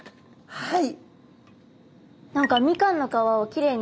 はい。